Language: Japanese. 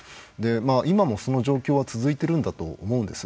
今もその状況は続いているんだと思うんです。